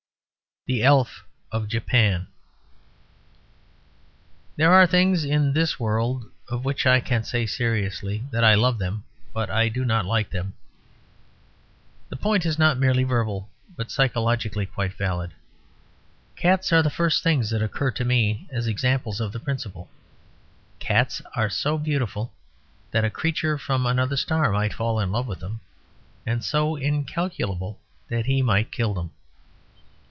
THE ELF OF JAPAN There are things in this world of which I can say seriously that I love them but I do not like them. The point is not merely verbal, but psychologically quite valid. Cats are the first things that occur to me as examples of the principle. Cats are so beautiful that a creature from another star might fall in love with them, and so incalculable that he might kill them.